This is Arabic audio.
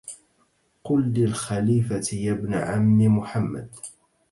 قل للخليفة يا ابن عم محمد